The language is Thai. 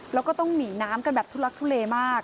แล้วก็ต้องหนีน้ำกันแบบทุลักทุเลมาก